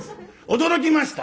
驚きました！